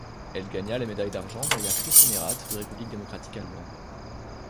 Elle gagna la médaille d'argent derrière Christine Errath de République démocratique allemande.